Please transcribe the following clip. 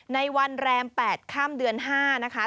ในวันแรม๘ข้ามเดือน๕นะคะ